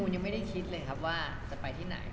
ยังไม่ได้คิดเลยครับว่าจะไปที่ไหน